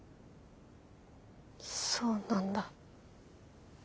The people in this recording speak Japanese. そうなんだ。